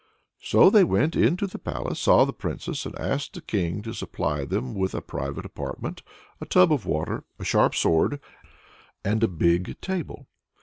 So they went into the palace, saw the Princess, and asked the King to supply them with a private apartment, a tub of water, a sharp sword, and a big table.